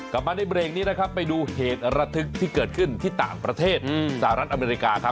กลับมาในเบรกนี้นะครับไปดูเหตุระทึกที่เกิดขึ้นที่ต่างประเทศสหรัฐอเมริกาครับ